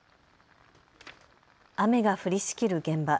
雨が降りしきる現場。